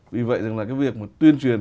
vì vậy rằng là cái việc tuyên truyền